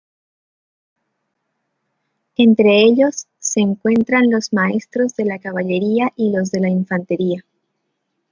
Entre ellos, se encuentran los maestros de la caballería y los de la infantería.